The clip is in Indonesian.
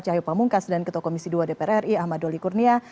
cahyo pamungkas dan ketua komisi dua dpr ri ahmad doli kurnia